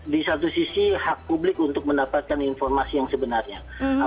di satu sisi hak publik untuk mendapatkan informasi yang sebenarnya